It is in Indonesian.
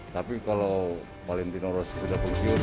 tapi kalau valentino rosi sudah keusyur